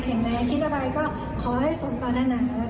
ก็ขอให้สมปัญหาแล้วก็ขอให้คุณดีหล่อตอนนี้ตลอดไป